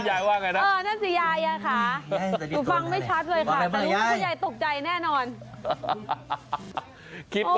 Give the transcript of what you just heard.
ยายยายไปครับ